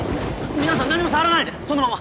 皆さん何も触らないでそのまま。